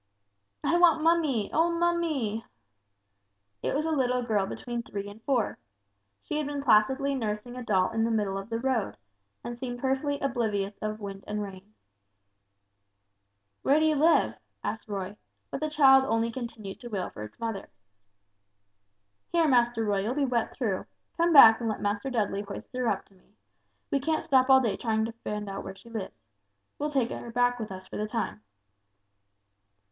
"I want mummy oh, mummy!" It was a little girl between three and four. She had been placidly nursing a doll in the middle of the road, and seemed perfectly oblivious of wind and rain. "Where do you live?" asked Roy, but the child only continued to wail for its mother. "Here, Master Roy, you'll be wet through. Come back, and let Master Dudley hoist her up to me. We can't stop all day trying to find out where she lives. We'll take her back with us for the time."